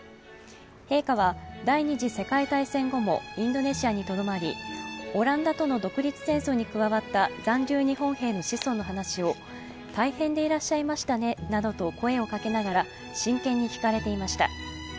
陛下は第二次世界大戦後もインドネシアにとどまりオランダとの独立戦争に加わった残留日本兵の子孫の話を大変でいらっしゃいましたねなどと声をかけながら真剣に聞かれていました。